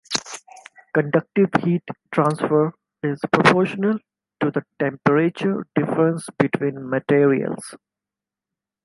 Conductive heat transfer is proportional to the temperature difference between materials.